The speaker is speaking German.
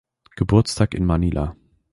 Geburtstag in Manila.